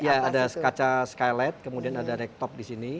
iya ada kaca skylight kemudian ada rektop di sini